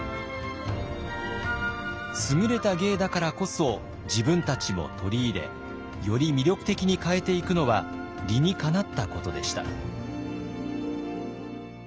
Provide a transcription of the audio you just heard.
優れた芸だからこそ自分たちも取り入れより魅力的に変えていくのは理にかなったことでした。